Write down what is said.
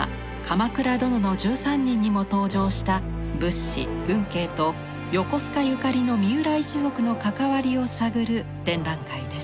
「鎌倉殿の１３人」にも登場した仏師運慶と横須賀ゆかりの三浦一族の関わりを探る展覧会です。